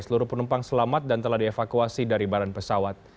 seluruh penumpang selamat dan telah dievakuasi dari barang pesawat